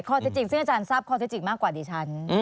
ข้อเท็จจริงซึ่งอาจารย์ทราบข้อเท็จจริงมากกว่าดิฉัน